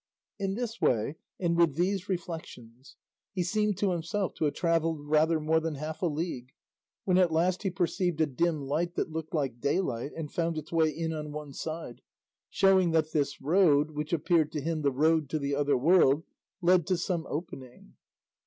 '" In this way and with these reflections he seemed to himself to have travelled rather more than half a league, when at last he perceived a dim light that looked like daylight and found its way in on one side, showing that this road, which appeared to him the road to the other world, led to some opening.